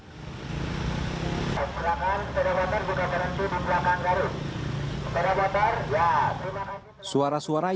suara suara yang dibawa ke jalan raya